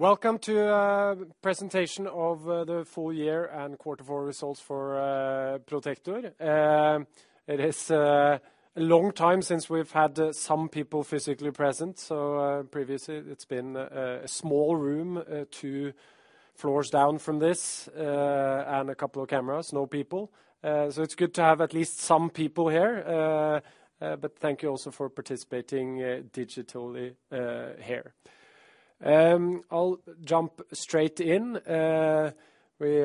Welcome to presentation of the full year and quarter four results for Protector. It is a long time since we've had some people physically present. Previously it's been a small room, two floors down from this, and a couple of cameras, no people. It's good to have at least some people here. Thank you also for participating digitally here. I'll jump straight in. We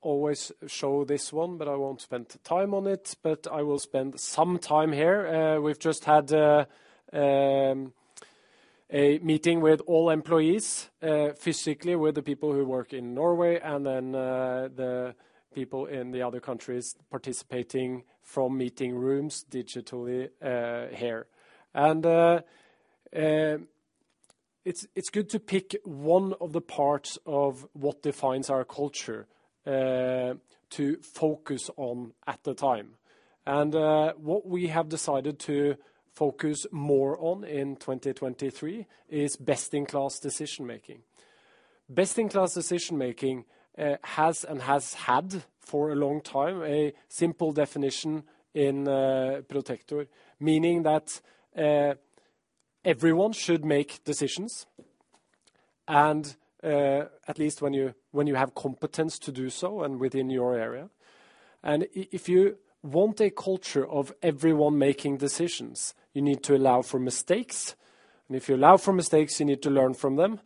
always show this one, but I won't spend time on it. I will spend some time here. We've just had a meeting with all employees, physically with the people who work in Norway, and then the people in the other countries participating from meeting rooms digitally here. It's good to pick one of the parts of what defines our culture, to focus on at the time. What we have decided to focus more on in 2023 is best in class decision-making. Best in class decision-making has and has had for a long time a simple definition in Protector, meaning that everyone should make decisions and at least when you have competence to do so and within your area. If you want a culture of everyone making decisions, you need to allow for mistakes. If you allow for mistakes, you need to learn from them.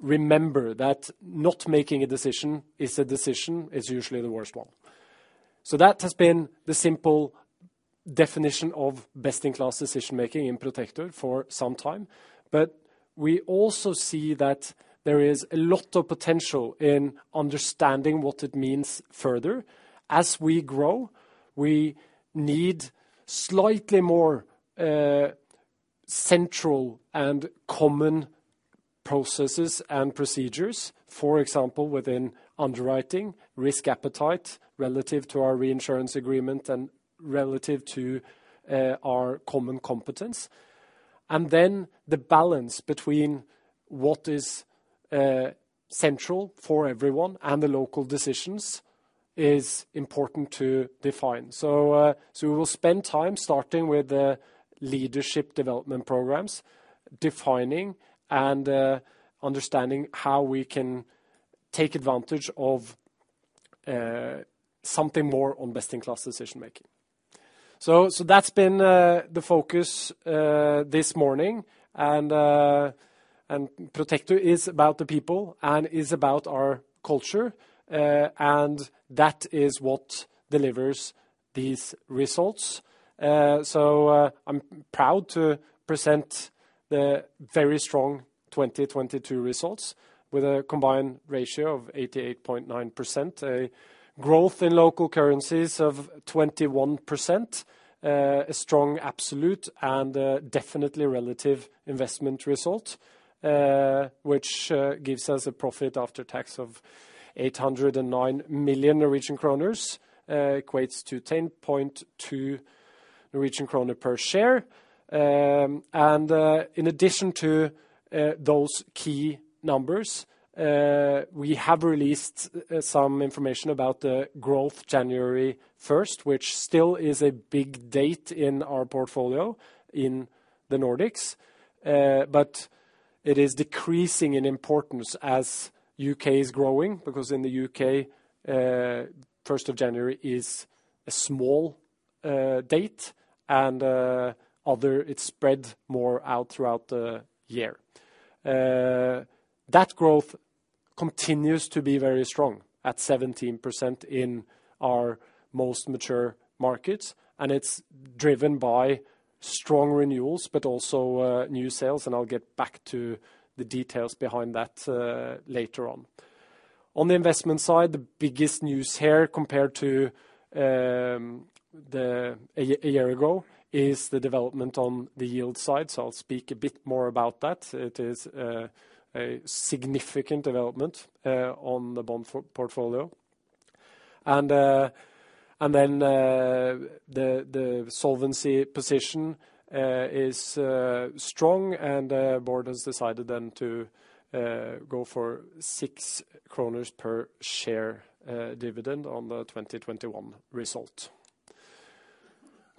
Remember that not making a decision is a decision, is usually the worst one. That has been the simple definition of best in class decision-making in Protector for some time. We also see that there is a lot of potential in understanding what it means further. As we grow, we need slightly more central and common processes and procedures. For example, within underwriting, risk appetite relative to our reinsurance agreement and relative to our common competence. Then the balance between what is central for everyone and the local decisions is important to define. We will spend time starting with the leadership development programs, defining and understanding how we can take advantage of something more on best in class decision-making. That's been the focus this morning. Protector is about the people and is about our culture. That is what delivers these results. I'm proud to present the very strong 2022 results with a combined ratio of 88.9%, a growth in local currencies of 21%, a strong, absolute, and a definitely relative investment result, which gives us a profit after tax of 809 million Norwegian kroner, equates to 10.2 Norwegian kroner per share. In addition to those key numbers, we have released some information about the growth January 1st, which still is a big date in our portfolio in the Nordics. It is decreasing in importance as U.K. is growing, because in the U.K., January 1st is a small date and other it's spread more out throughout the year. That growth continues to be very strong at 17% in our most mature markets. It's driven by strong renewals, but also new sales. I'll get back to the details behind that later on. On the investment side, the biggest news here compared to a year ago, is the development on the yield side. I'll speak a bit more about that. It is a significant development on the bond portfolio. The solvency position is strong and board has decided then to go for 6 kroner per share dividend on the 2021 result,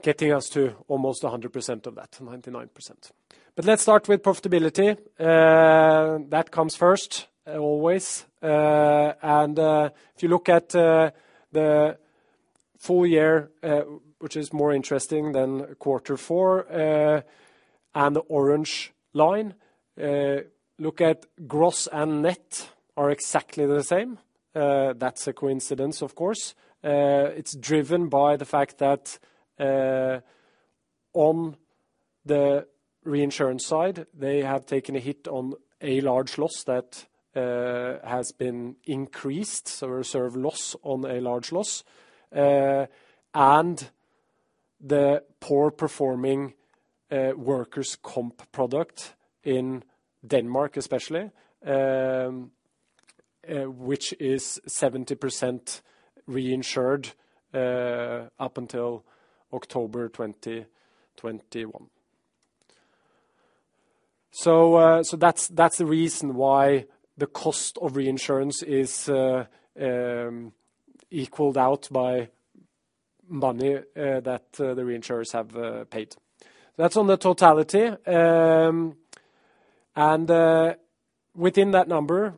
getting us to almost 100% of that, 99%. Let's start with profitability. That comes first always. If you look at the full year, which is more interesting than quarter four, the orange line, look at gross and net are exactly the same. That's a coincidence, of course. It's driven by the fact that on the reinsurance side, they have taken a hit on a large loss that has been increased. A reserve loss on a large loss and the poor performing workers' comp product in Denmark especially, which is 70% reinsured up until October 2021. That's the reason why the cost of reinsurance is equaled out by money that the reinsurers have paid. That's on the totality. Within that number,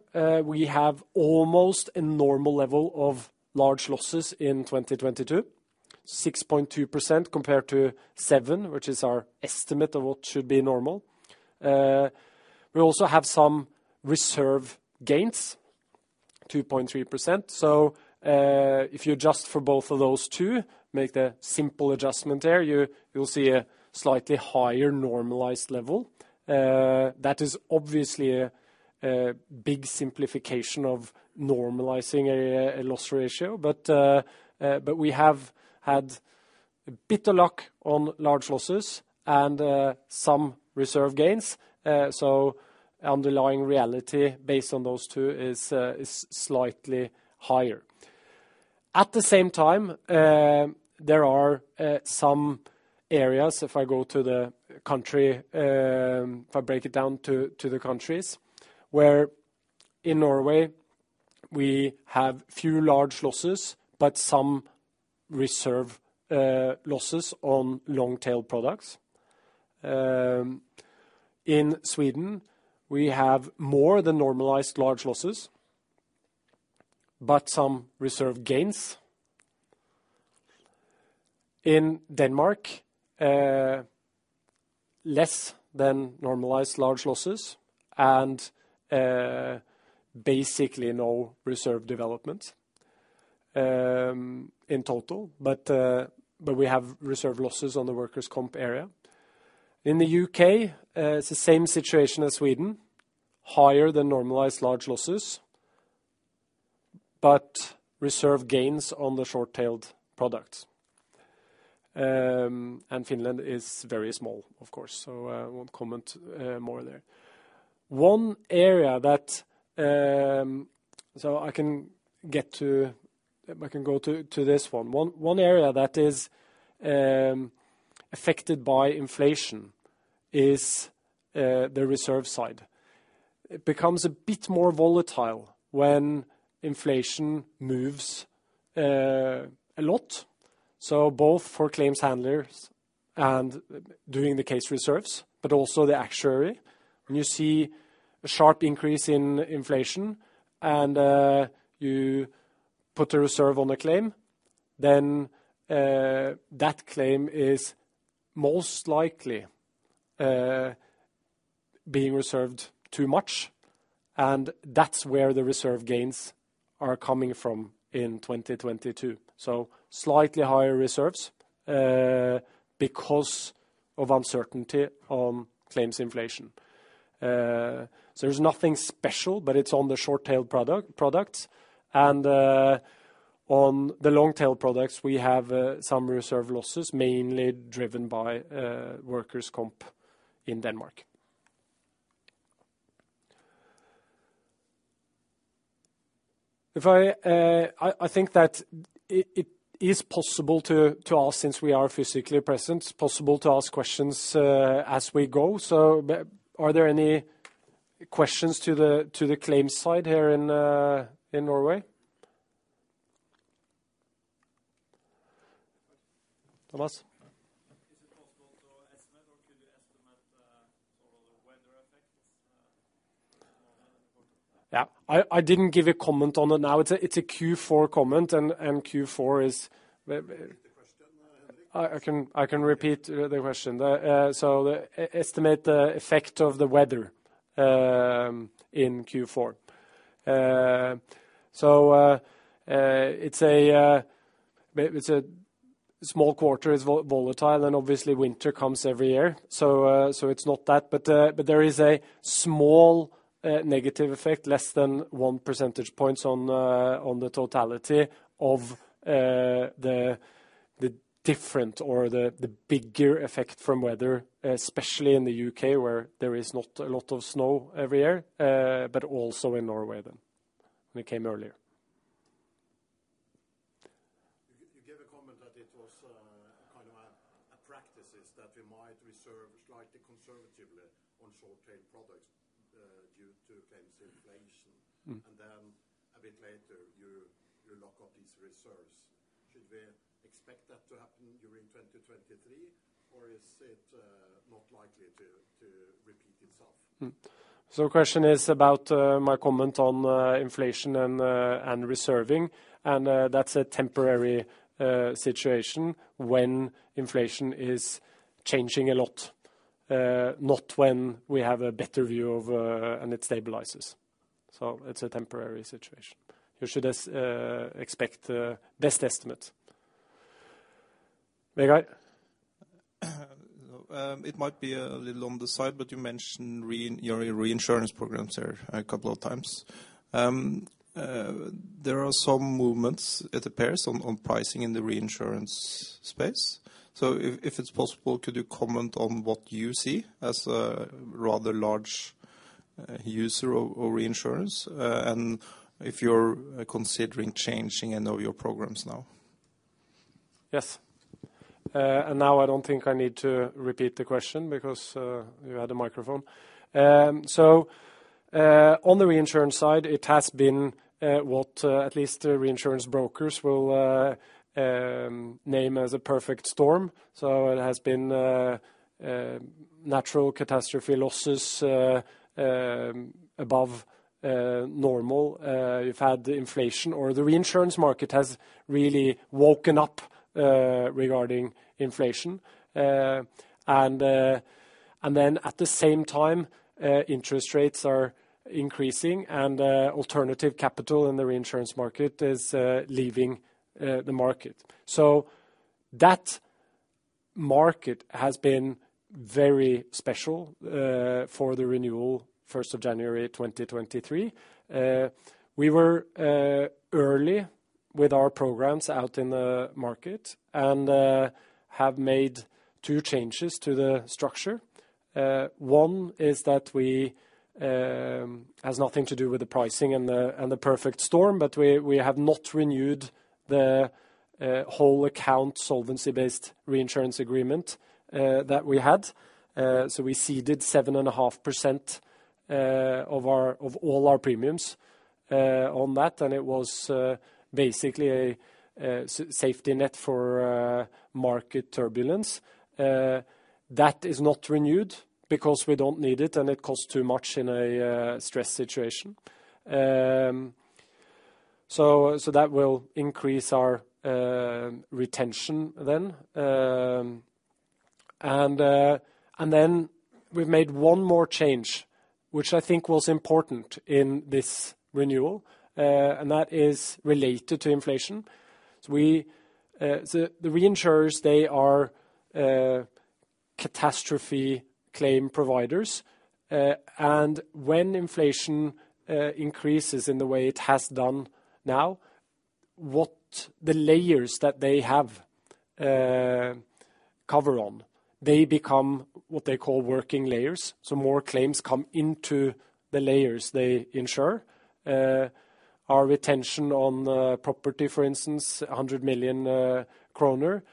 we have almost a normal level of large losses in 2022, 6.2% compared to 7%, which is our estimate of what should be normal. We also have some reserve gains, 2.3%. If you adjust for both of those two, make the simple adjustment there, you'll see a slightly higher normalized level. That is obviously a big simplification of normalizing a loss ratio. We have had a bit of luck on large losses and some reserve gains. Underlying reality based on those two is slightly higher. At the same time, there are some areas if I go to the country, if I break it down to the countries, where in Norway we have few large losses, but some reserve losses on long-tail products. In Sweden, we have more than normalized large losses, but some reserve gains. In Denmark, less than normalized large losses and basically no reserve development in total. We have reserve losses on the workers' comp area. In the U.K., it's the same situation as Sweden, higher than normalized large losses, but reserve gains on the short-tailed products. Finland is very small, of course, so I won't comment more there. I can get to, if I can go to this one. One area that is affected by inflation is the reserve side. It becomes a bit more volatile when inflation moves a lot. Both for claims handlers and doing the case reserves, but also the actuary. You see a sharp increase in inflation and you put a reserve on the claim, then that claim is most likely being reserved too much, and that's where the reserve gains are coming from in 2022. Slightly higher reserves because of uncertainty on claims inflation. There's nothing special, but it's on the short-tailed products. On the long-tail products, we have some reserve losses, mainly driven by workers' comp in Denmark.If I think that it is possible to ask since we are physically present, it's possible to ask questions as we go. Are there any questions to the claims side here in Norway? Thomas. Is it possible to estimate or could you estimate, sort of the weather effects, on? Yeah. I didn't give a comment on it now. It's a Q4 comment, and Q4 is. Can you repeat the question, Henrik? I can repeat the question. The so estimate the effect of the weather in Q4. It's a small quarter. It's volatile, and obviously winter comes every year. It's not that. There is a small negative effect, less than 1 percentage points on the totality of the different or the bigger effect from weather, especially in the U.K. where there is not a lot of snow every year, but also in Norway then, and it came earlier. You gave a comment that it was kind of a practices that you might reserve slightly conservatively on short-tail products due to claims inflation. A bit later, you lock up these reserves. Should we expect that to happen during 2023, or is it not likely to repeat itself? The question is about my comment on inflation and and reserving, and that's a temporary situation when inflation is changing a lot, not when we have a better view of and it stabilizes. It's a temporary situation. You should expect best estimate. Vegard? It might be a little on the side, you mentioned your reinsurance programs here a couple of times. There are some movements, it appears, on pricing in the reinsurance space. If it's possible, could you comment on what you see as a rather large user of reinsurance, and if you're considering changing any of your programs now? Yes. Now I don't think I need to repeat the question because you had a microphone. On the reinsurance side, it has been what at least reinsurance brokers will name as a perfect storm. It has been natural catastrophe losses above normal. You've had the inflation or the reinsurance market has really woken up regarding inflation. Then at the same time, interest rates are increasing and alternative capital in the reinsurance market is leaving the market. That market has been very special for the renewal first of January 2023. We were early with our programs out in the market and have made two changes to the structure. One is that we has nothing to do with the pricing and the, and the perfect storm, but we have not renewed the whole account solvency based reinsurance agreement that we had. We ceded 7.5% of our, of all our premiums on that, and it was basically a safety net for market turbulence. That is not renewed because we don't need it and it costs too much in a stress situation. That will increase our retention then. We've made one more change, which I think was important in this renewal, and that is related to inflation. The reinsurers, they are catastrophe claim providers. When inflation increases in the way it has done now, what the layers that they have cover on, they become what they call working layers. More claims come into the layers they insure. Our retention on property, for instance, 100 million kroner,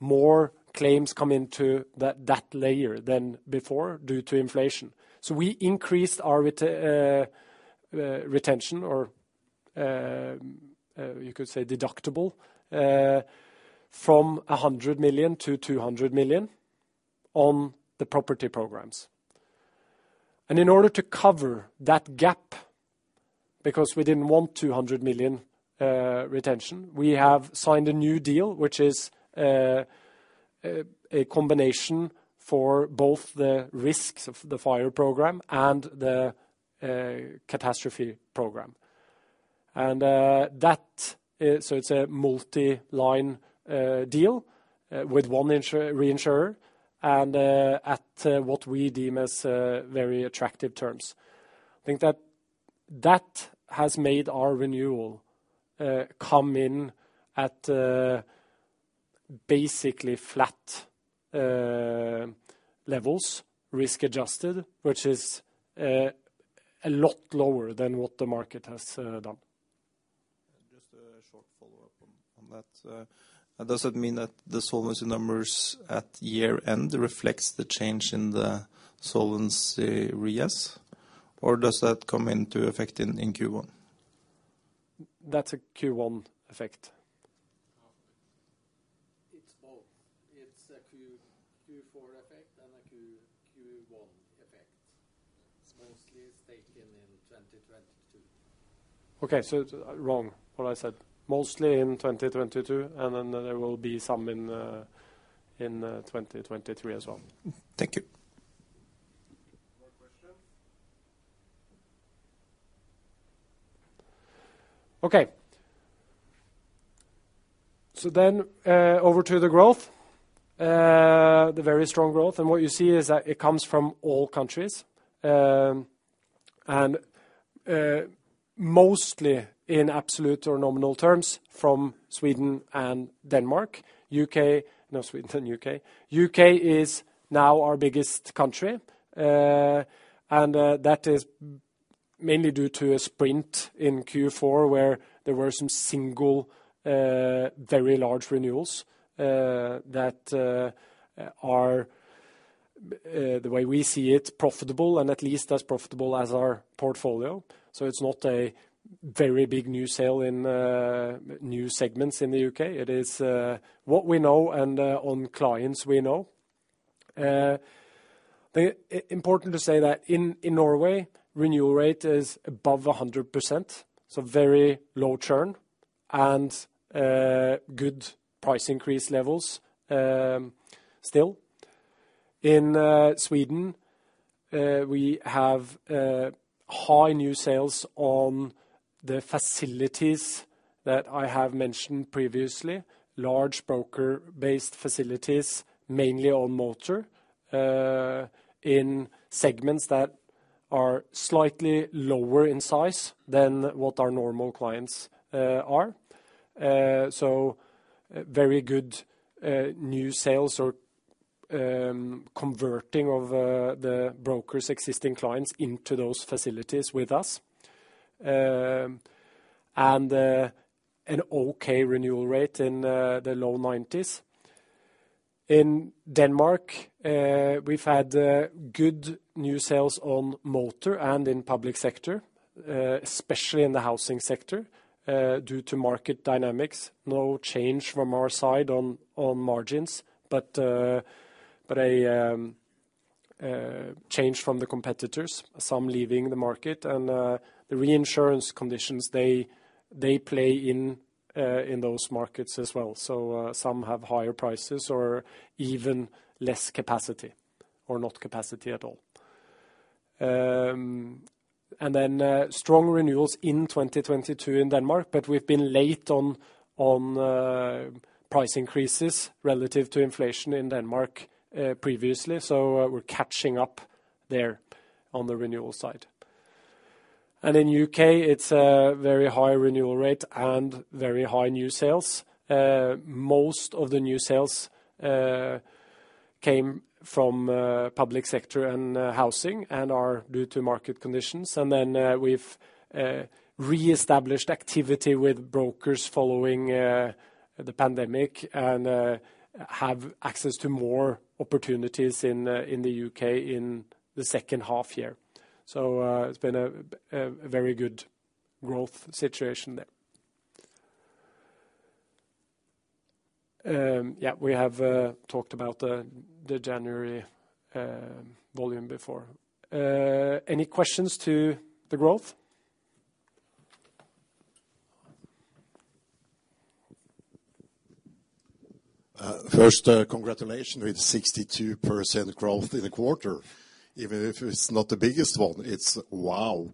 more claims come into that layer than before due to inflation. We increased our retention or, you could say deductible, from 100 million-200 million on the property programs. In order to cover that gap, because we didn't want 200 million retention, we have signed a new deal, which is a combination for both the risks of the fire program and the catastrophe program. That it's a multi-line deal with one reinsurer and at what we deem as very attractive terms. I think that that has made our renewal come in at basically flat levels, risk adjusted, which is a lot lower than what the market has done. Just a short follow-up on that. Does it mean that the solvency numbers at year-end reflects the change in the solvency ratio or does that come into effect in Q1? That's a Q1 effect. It's both. It's a Q4 effect and a Q1 effect. It's mostly taken in 2022. Okay. It's wrong what I said. Mostly in 2022, and then there will be some in, 2023 as well. Thank you. More questions? Okay. Over to the growth, the very strong growth. What you see is that it comes from all countries, and mostly in absolute or nominal terms from Sweden and Denmark. U.K., no Sweden, U.K., U.K. is now our biggest country. That is mainly due to a sprint in Q4, where there were some single, very large renewals that are, the way we see it, profitable and at least as profitable as our portfolio. It's not a very big new sale in new segments in the U.K. It is what we know and on clients we know. Important to say that in Norway, renewal rate is above 100%, very low churn, and good price increase levels still. In Sweden, we have high new sales on the facilities that I have mentioned previously, large broker-based facilities, mainly on motor, in segments that are slightly lower in size than what our normal clients are. Very good new sales or converting of the brokers existing clients into those facilities with us. An okay renewal rate in the low 90s. In Denmark, we've had good new sales on motor and in public sector, especially in the housing sector, due to market dynamics. No change from our side on margins, but a change from the competitors, some leaving the market and the reinsurance conditions they play in those markets as well. Some have higher prices or even less capacity, or not capacity at all. Strong renewals in 2022 in Denmark, but we've been late on price increases relative to inflation in Denmark previously. We're catching up there on the renewal side. In U.K., it's a very high renewal rate and very high new sales. Most of the new sales came from public sector and housing and are due to market conditions. We've re-established activity with brokers following the pandemic and have access to more opportunities in the U.K. in the second half year. It's been a very good growth situation there. Yeah, we have talked about the January volume before. Any questions to the growth? First, congratulations with 62% growth in the quarter, even if it's not the biggest one, it's wow.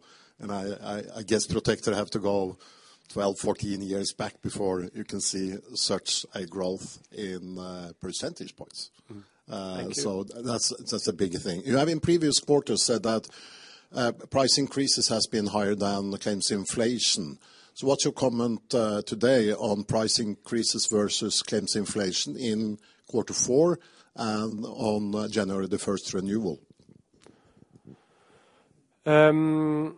I guess Protector have to go 12 years, 14 years back before you can see such a growth in percentage points. Thank you. That's a big thing. You have in previous quarters said that price increases has been higher than the claims inflation. What's your comment today on price increases versus claims inflation in quarter four and on January the first renewal? In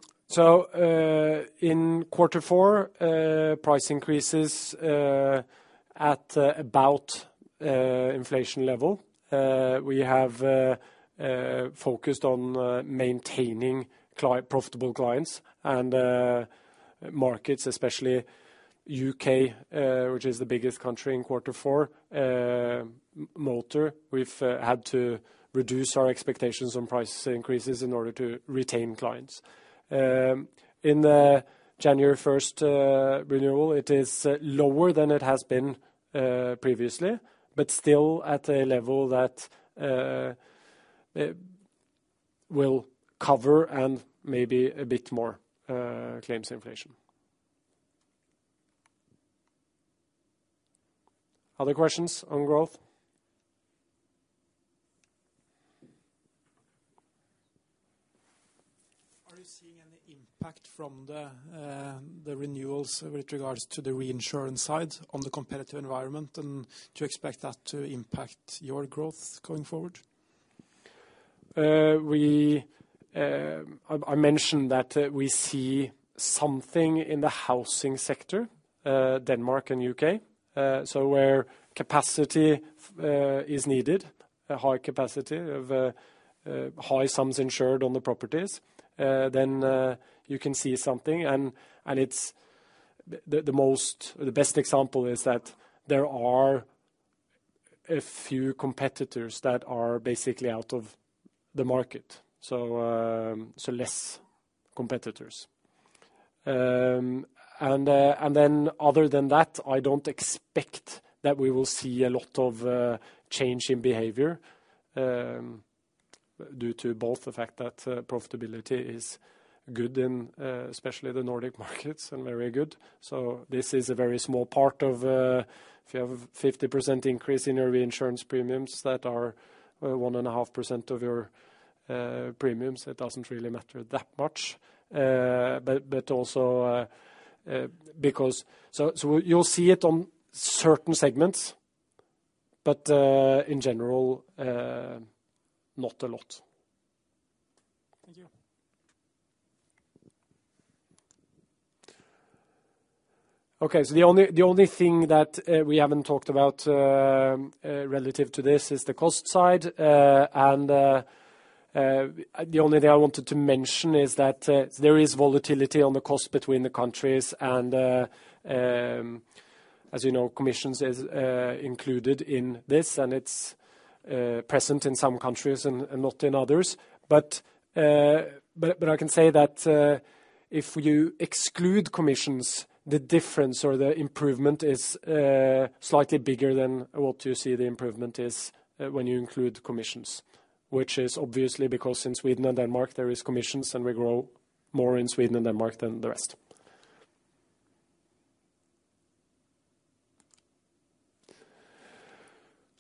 quarter four, price increases at about inflation level. We have focused on maintaining client, profitable clients and markets, especially U.K., which is the biggest country in quarter four. Motor, we've had to reduce our expectations on price increases in order to retain clients. In the January first renewal, it is lower than it has been previously, but still at a level that will cover and maybe a bit more claims inflation. Other questions on growth? Are you seeing any impact from the renewals with regards to the reinsurance side on the competitive environment? Do you expect that to impact your growth going forward? We, I mentioned that we see something in the housing sector, Denmark and U.K. Where capacity is needed, a high capacity of high sums insured on the properties, you can see something. It's the most, the best example is that there are a few competitors that are basically out of the market. Less competitors. Other than that, I don't expect that we will see a lot of change in behavior due to both the fact that profitability is good in especially the Nordic markets and very good. This is a very small part of, if you have 50% increase in your reinsurance premiums that are, 1.5% of your, premiums, it doesn't really matter that much. Also, you'll see it on certain segments, in general, not a lot. Thank you. The only thing that we haven't talked about relative to this is the cost side. The only thing I wanted to mention is that there is volatility on the cost between the countries and, as you know, commissions is included in this, and it's present in some countries and not in others. I can say that if you exclude commissions, the difference or the improvement is slightly bigger than what you see the improvement is when you include commissions. This is obviously because in Sweden and Denmark, there is commissions, and we grow more in Sweden and Denmark than the rest.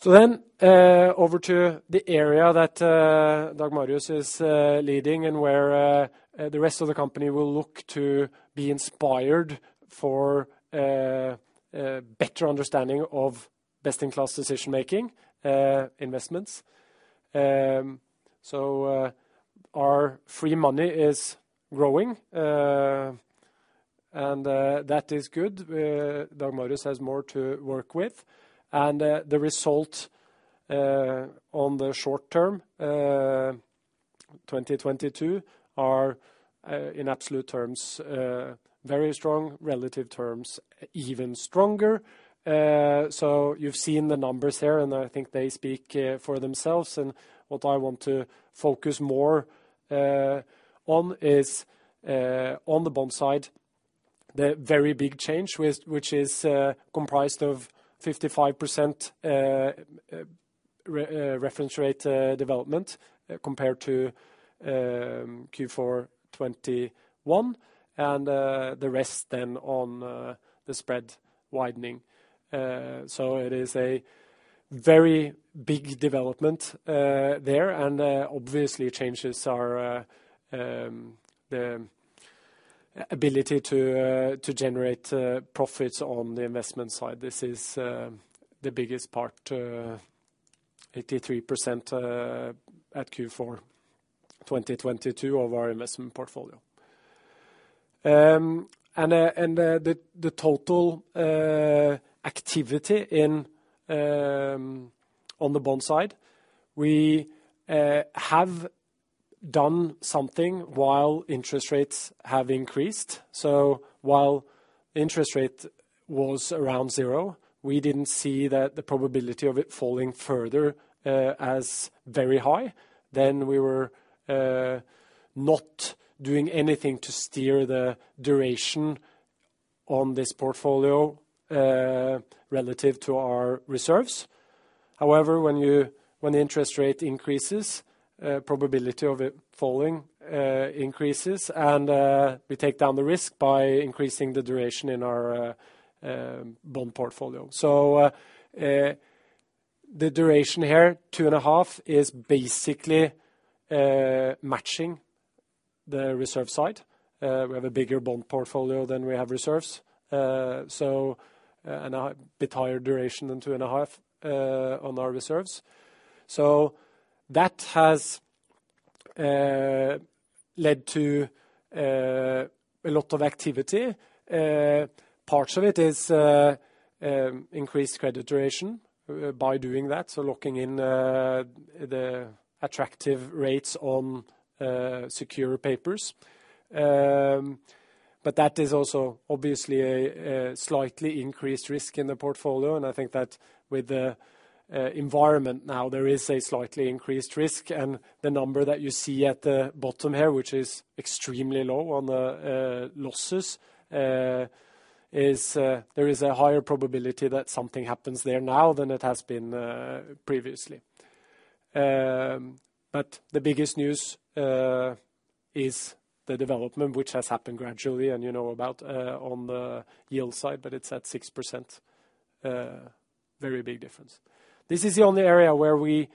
Over to the area that Dag Marius is leading and where the rest of the company will look to be inspired for better understanding of best in class decision making, investments. Our free money is growing. That is good. Dag Marius has more to work with. The result on the short term, 2022 are in absolute terms very strong, relative terms even stronger. You've seen the numbers there, and I think they speak for themselves. What I want to focus more on is on the bond side, the very big change which is comprised of 55% reference rate development compared to Q4 2021 and the rest on the spread widening. It is a very big development there, and obviously changes our the ability to generate profits on the investment side. This is the biggest part, 83%, at Q4 2022 of our investment portfolio. And the total activity in on the bond side, we have done something while interest rates have increased. While interest rate was around zero, we didn't see that the probability of it falling further as very high. We were not doing anything to steer the duration on this portfolio relative to our reserves. When the interest rate increases, probability of it falling increases and we take down the risk by increasing the duration in our bond portfolio. The duration here, 2.5, is basically matching the reserve side. We have a bigger bond portfolio than we have reserves. And a bit higher duration than 2.5, on our reserves. That has led to a lot of activity. Parts of it is increased credit duration by doing that, so locking in the attractive rates on secure papers. But that is also obviously a slightly increased risk in the portfolio, and I think that with the environment now, there is a slightly increased risk. The number that you see at the bottom here, which is extremely low on the losses, is there is a higher probability that something happens there now than it has been previously. The biggest news is the development which has happened gradually and you know about on the yield side, it's at 6%, very big difference. This is the only area where we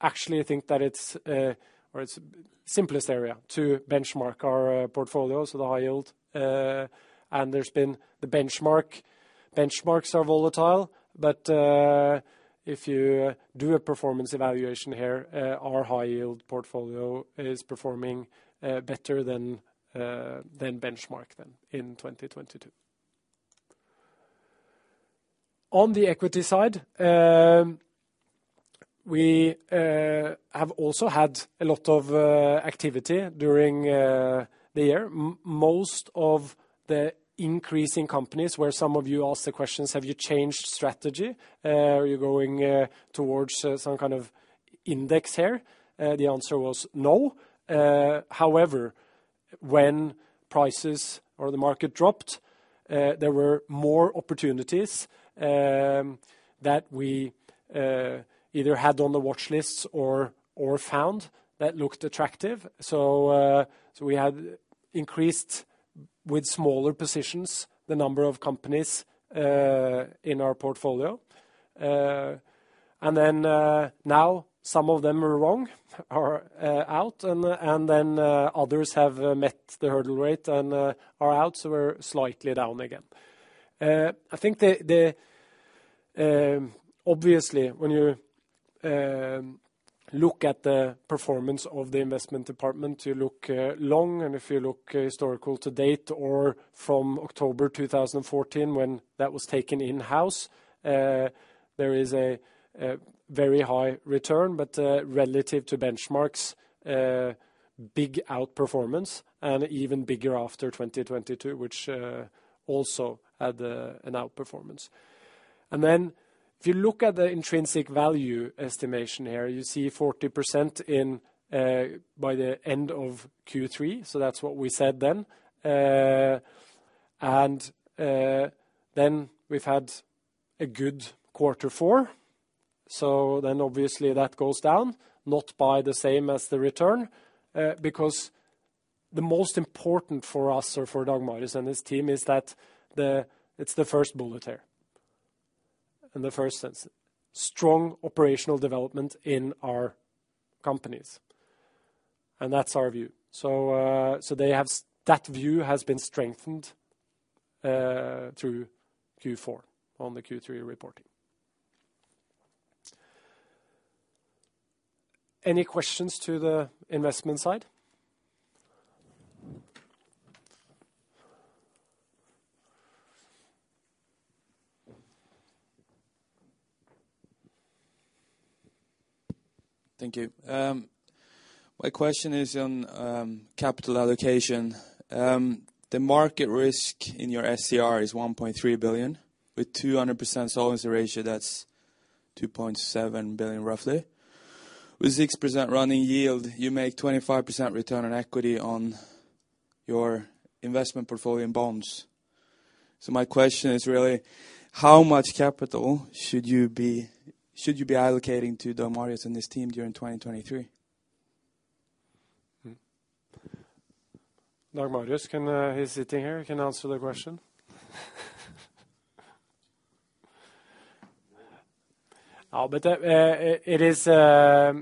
actually think that it's or it's simplest area to benchmark our portfolio, so the high yield. There's been the benchmark. Benchmarks are volatile, if you do a performance evaluation here, our high-yield portfolio is performing better than benchmark then in 2022. On the equity side, we have also had a lot of activity during the year. Most of the increase in companies where some of you asked the questions, "Have you changed strategy? Are you going towards some kind of index here?" The answer was no. However, when prices or the market dropped, there were more opportunities that we either had on the watch lists or found that looked attractive. We had increased with smaller positions the number of companies in our portfolio. Now some of them were wrong, are out and then, others have met the hurdle rate and, are out, so we're slightly down again. I think the, obviously, when you, look at the performance of the investment department, you look, long, and if you look historical to date or from October 2014 when that was taken in-house, there is a very high return. Relative to benchmarks, big outperformance and even bigger after 2022, which, also had, an outperformance. If you look at the intrinsic value estimation here, you see 40% in by the end of Q3, so that's what we said then. We've had a good Q4. Obviously that goes down, not by the same as the return, because the most important for us or for Dag Marius and his team is that the, it's the first bullet here in the first sense. Strong operational development in our companies, and that's our view. That view has been strengthened through Q4 on the Q3 reporting. Any questions to the investment side? Thank you. My question is on capital allocation. The market risk in your SCR is 1.3 billion. With 200% solvency ratio, that's 2.7 billion roughly. With 6% running yield, you make 25% return on equity on your investment portfolio in bonds. My question is really how much capital should you be allocating to Dag Marius and his team during 2023? Dag Marius can, he's sitting here, he can answer the question. It is a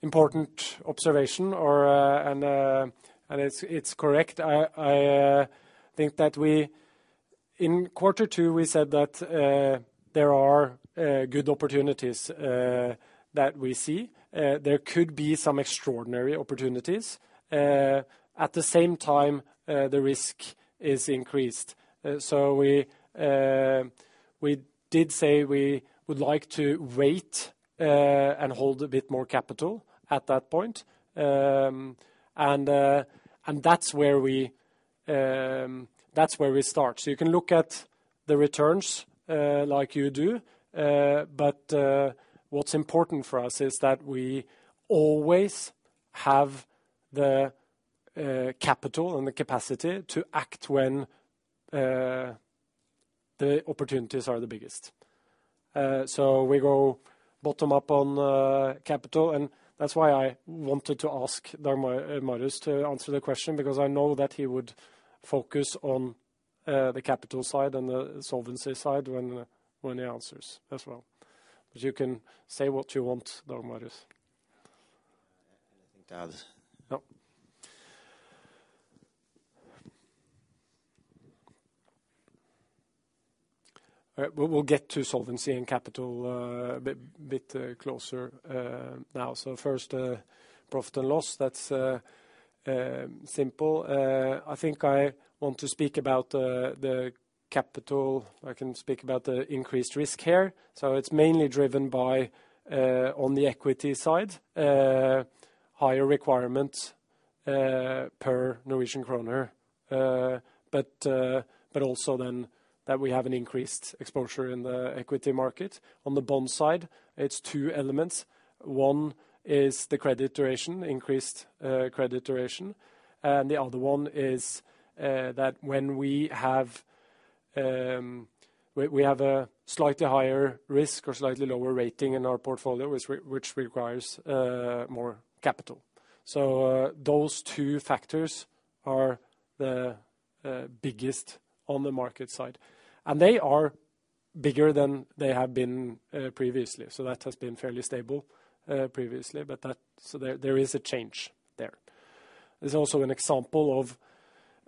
important observation or, and it's correct. I think that we... In quarter two, we said that there are good opportunities that we see. There could be some extraordinary opportunities. At the same time, the risk is increased. We did say we would like to wait and hold a bit more capital at that point. That's where we, that's where we start. You can look at the returns like you do. What's important for us is that we always have the capital and the capacity to act when the opportunities are the biggest. We go bottom up on capital, and that's why I wanted to ask Dag Marius to answer the question because I know that he would focus on the capital side and the solvency side when he answers as well. You can say what you want, Dag Marius. Nothing to add. No. We'll get to solvency and capital a bit closer now. First, profit and loss, that's simple. I think I want to speak about the capital. I can speak about the increased risk here. It's mainly driven by on the equity side, higher requirements per Norwegian kroner. Also then that we have an increased exposure in the equity market. On the bond side, it's two elements. One is the credit duration, increased credit duration. The other one is that when we have we have a slightly higher risk or slightly lower rating in our portfolio, which requires more capital. Those two factors are the biggest on the market side. They are bigger than they have been previously. That has been fairly stable previously, but there is a change there. There's also an example of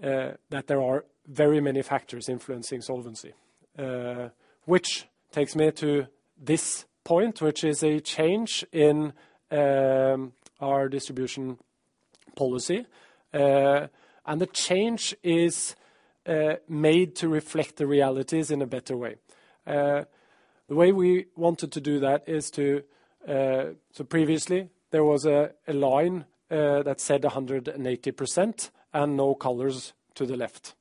that there are very many factors influencing solvency. Which takes me to this point, which is a change in our distribution policy. The change is made to reflect the realities in a better way. The way we wanted to do that is to. Previously, there was a line that said 180% and no colors to the left.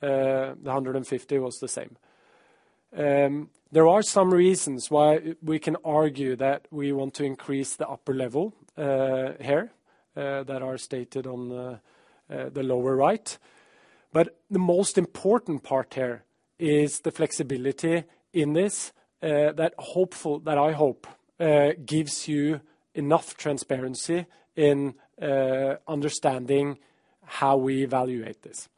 The 150% was the same. There are some reasons why we can argue that we want to increase the upper level here that are stated on the lower right. The most important part here is the flexibility in this, that I hope gives you enough transparency in understanding how we evaluate this.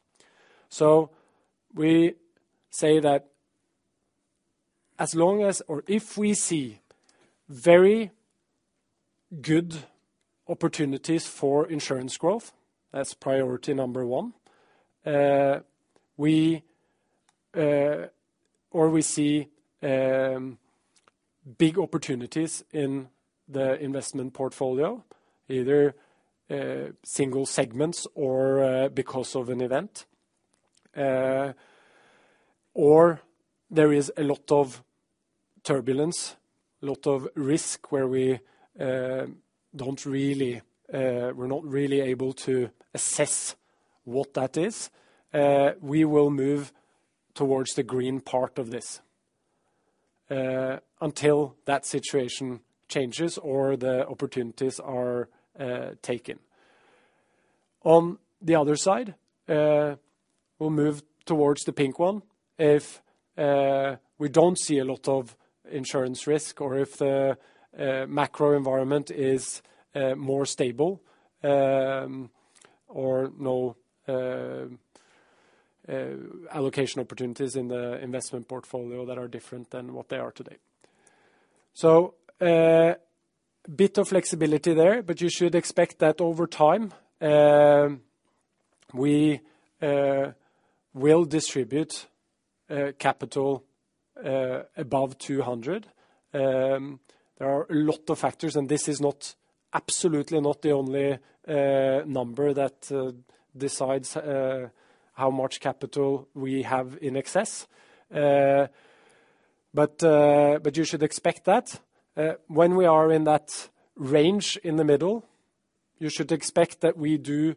We say that as long as or if we see very good opportunities for insurance growth, that's priority number one, we or we see big opportunities in the investment portfolio, either single segments or because of an event or there is a lot of turbulence, a lot of risk where we don't really, we're not really able to assess what that is, we will move towards the green part of this until that situation changes or the opportunities are taken. On the other side, we'll move towards the pink one if we don't see a lot of insurance risk or if the macro environment is more stable, or no allocation opportunities in the investment portfolio that are different than what they are today. Bit of flexibility there, but you should expect that over time, we will distribute capital above 200%. There are a lot of factors, and this is not, absolutely not the only number that decides how much capital we have in excess. But you should expect that. When we are in that range in the middle, you should expect that we do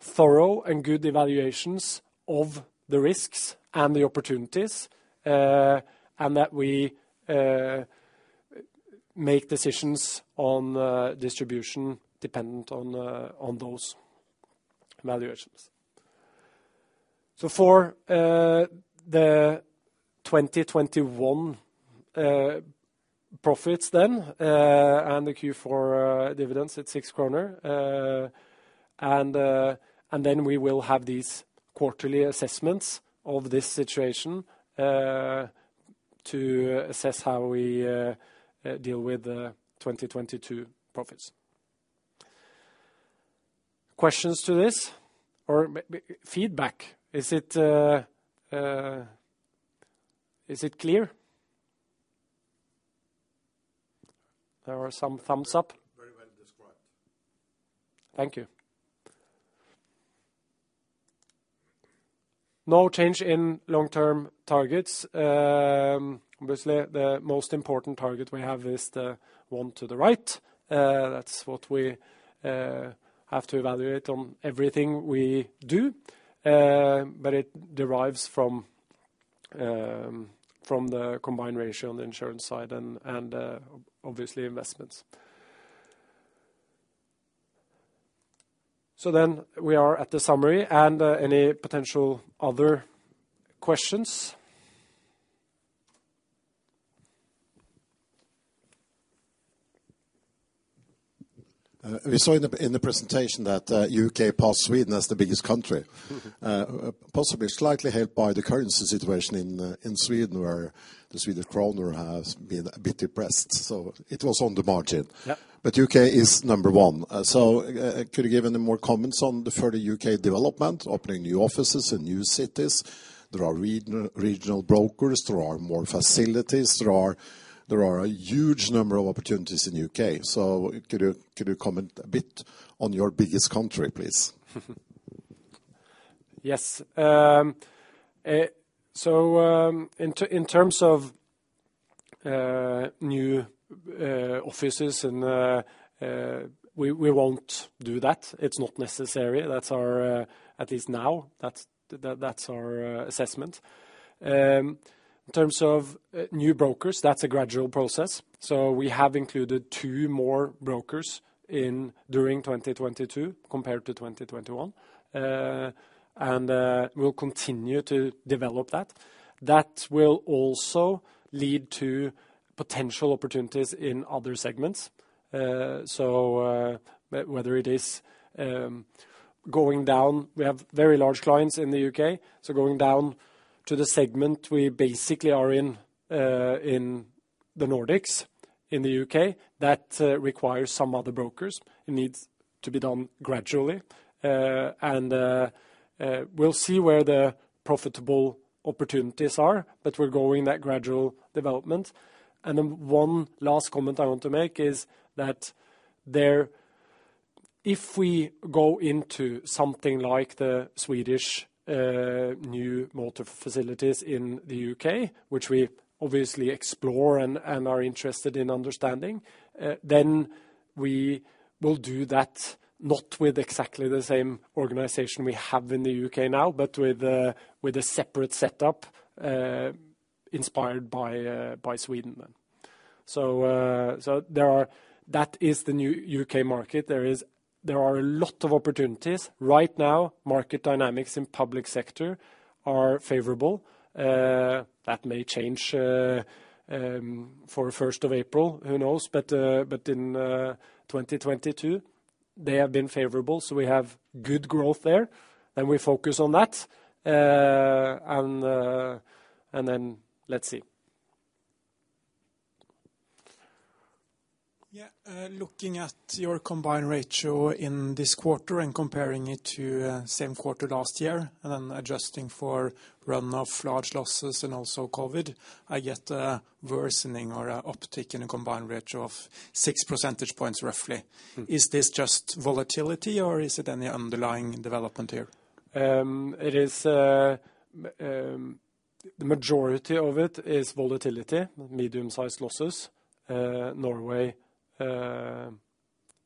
thorough and good evaluations of the risks and the opportunities, and that we make decisions on distribution dependent on those valuations. For the 2021 profits then, and the Q4 dividends, it's NOK 6. We will have these quarterly assessments of this situation to assess how we deal with the 2022 profits. Questions to this or feedback? Is it clear? There are some thumbs up. Very well described. Thank you. No change in long-term targets. Obviously, the most important target we have is the one to the right. That's what we have to evaluate on everything we do, but it derives from the combined ratio on the insurance side and, obviously investments. Then we are at the summary and any potential other questions. We saw in the presentation that U.K. passed Sweden as the biggest country, possibly slightly helped by the currency situation in Sweden, where the Swedish kroner has been a bit depressed. It was on the margin. Yeah. U.K. is number one. Could you give any more comments on the further U.K. development, opening new offices in new cities? There are regional brokers. There are more facilities. There are a huge number of opportunities in U.K. Could you comment a bit on your biggest country, please? Yes. In terms of new offices, we won't do that. It's not necessary. That's our, at least now, that's our assessment. In terms of new brokers, that's a gradual process. We have included 2 more brokers in during 2022 compared to 2021. We'll continue to develop that. That will also lead to potential opportunities in other segments. Whether it is going down, we have very large clients in the U.K. Going down to the segment we basically are in the Nordics, in the U.K., that requires some other brokers. It needs to be done gradually. We'll see where the profitable opportunities are, but we're going that gradual development. One last comment I want to make is that there, if we go into something like the Swedish new motor facilities in the U.K., which we obviously explore and are interested in understanding, then we will do that not with exactly the same organization we have in the U.K. now, but with a separate setup inspired by Sweden then. That is the new U.K. market. There are a lot of opportunities. Right now, market dynamics in public sector are favorable. That may change for the 1st of April, who knows. In 2022, they have been favorable, so we have good growth there, and we focus on that. Let's see. Yeah. Looking at your combined ratio in this quarter and comparing it to same quarter last year and then adjusting for run of large losses and also COVID, I get a worsening or a uptick in a combined ratio of 6 percentage points roughly. Is this just volatility or is it any underlying development here? It is the majority of it is volatility, medium-sized losses, Norway,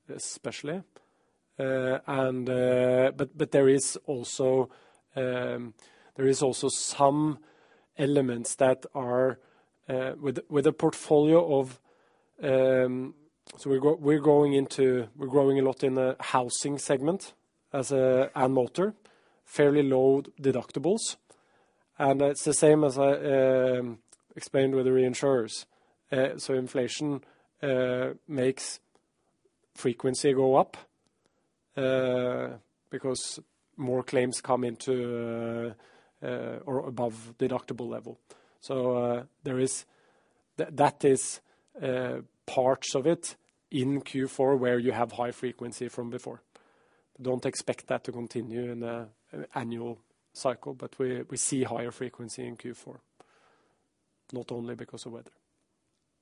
especially. But there is also some elements that are with a portfolio of. We're going into, we're growing a lot in the housing segment as a, and motor, fairly low deductibles. It's the same as I explained with the reinsurers. Inflation frequency go up because more claims come into or above deductible level. That is parts of it in Q4 where you have high frequency from before. Don't expect that to continue in the annual cycle, but we see higher frequency in Q4, not only because of weather.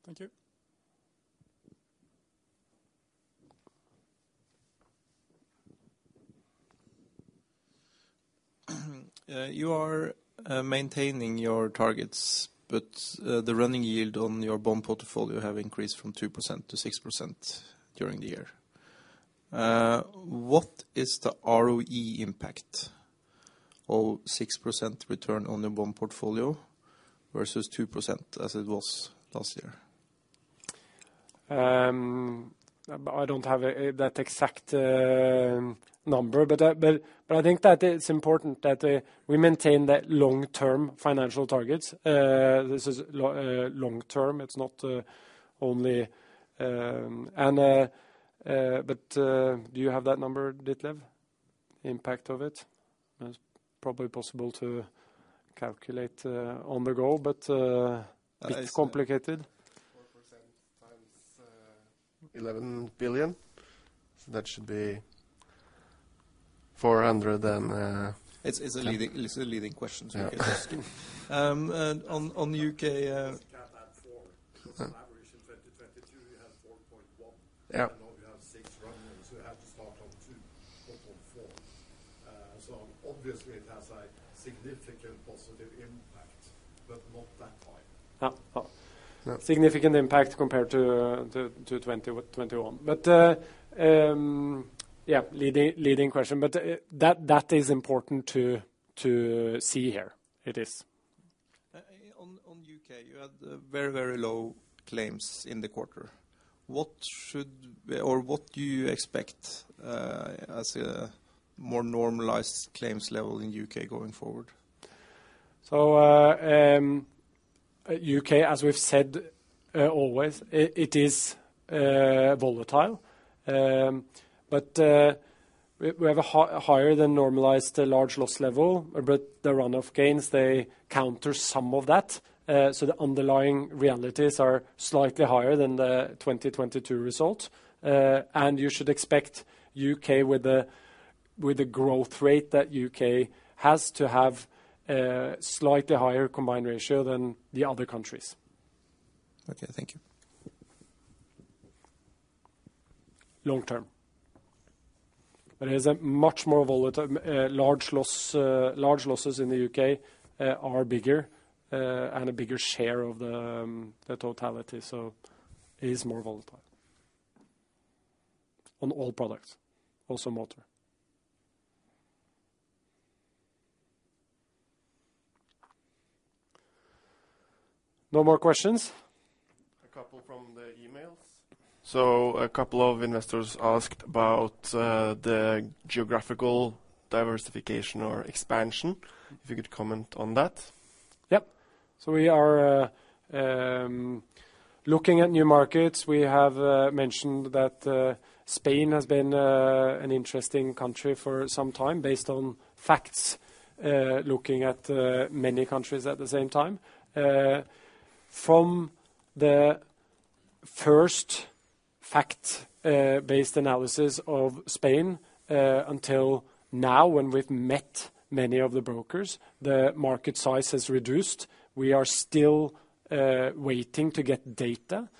Thank you. You are maintaining your targets. The running yield on your bond portfolio have increased from 2% to 6% during the year. What is the ROE impact of 6% return on the bond portfolio versus 2% as it was last year? I don't have that exact number. I think that it's important that we maintain that long-term financial targets. This is long-term, it's not only. Do you have that number, Detlev? Impact of it? It's probably possible to calculate on the go, but a bit complicated. 4% times 11 billion. That should be 400 and- It's a leading question, you can just do. On U.K. You can't add four. In average in 2022 you had 4.1. Now you have 6% running, so you have to start on 2.4. Obviously it has a significant positive impact, but not that high. No. No. Significant impact compared to 2021. Yeah, leading question. That is important to see here. It is. On U.K., you had very, very low claims in the quarter. What should or what do you expect as a more normalized claims level in U.K. going forward? U.K., as we've said, always, it is volatile. We have a higher than normalized large loss level, but the runoff gains, they counter some of that. The underlying realities are slightly higher than the 2022 result. You should expect U.K. with the growth rate that U.K. has to have slightly higher combined ratio than the other countries. Okay. Thank you. Long term. It is a much more volatile, large loss, large losses in the U.K. are bigger and a bigger share of the totality. It is more volatile on all products, also motor. No more questions? A couple from the emails. A couple of investors asked about the geographical diversification or expansion, if you could comment on that? Yeah. We are looking at new markets. We have mentioned that Spain has been an interesting country for some time based on facts, looking at many countries at the same time. From the first fact-based analysis of Spain until now, when we've met many of the brokers, the market size has reduced. We are still waiting to get data,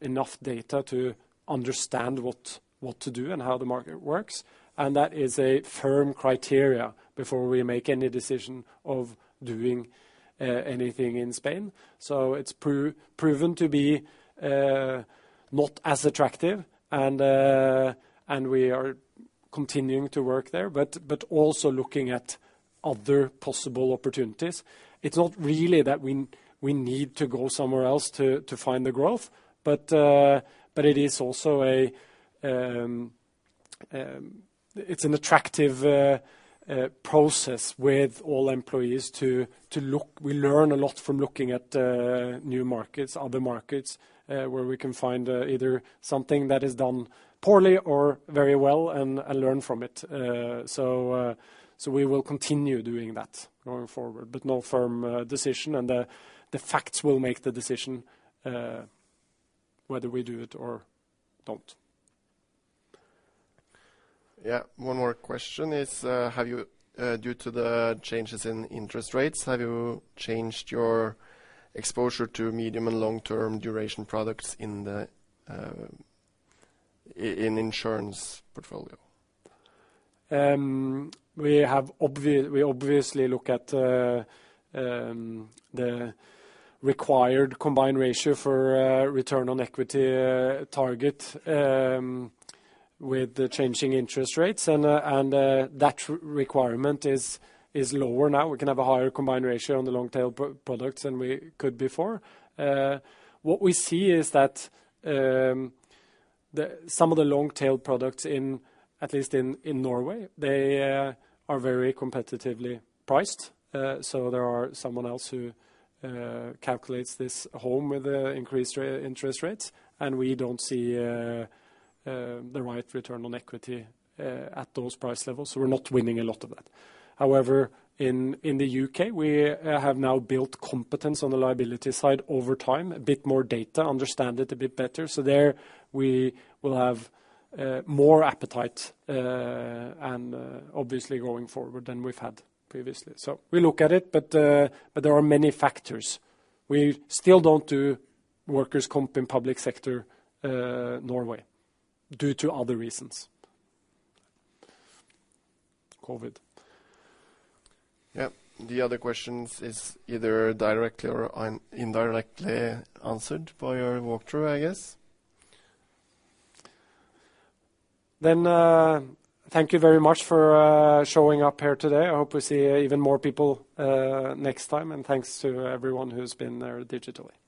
enough data to understand what to do and how the market works. That is a firm criteria before we make any decision of doing anything in Spain. It's proven to be not as attractive, and we are continuing to work there, but also looking at other possible opportunities. It's not really that we need to go somewhere else to find the growth, but it is also it's an attractive process with all employees to look. We learn a lot from looking at new markets, other markets, where we can find either something that is done poorly or very well and learn from it. We will continue doing that going forward. No firm decision. The facts will make the decision, whether we do it or don't. Yeah. One more question is, have you, due to the changes in interest rates, have you changed your exposure to medium and long-term duration products in the insurance portfolio? We obviously look at the required combined ratio for return on equity target with the changing interest rates. That requirement is lower now. We can have a higher combined ratio on the long-tail products than we could before. What we see is that some of the long-tail products in, at least in Norway, they are very competitively priced. There are someone else who calculates this home with the increased interest rates, and we don't see the right return on equity at those price levels, so we're not winning a lot of that. However, in the U.K., we have now built competence on the liability side over time, a bit more data, understand it a bit better. There we will have more appetite and obviously going forward than we've had previously. We look at it, but there are many factors. We still don't do workers' comp in public sector Norway due to other reasons. COVID. Yeah. The other questions is either directly or indirectly answered by your walkthrough, I guess. Thank you very much for showing up here today. I hope we see even more people next time. Thanks to everyone who's been there digitally.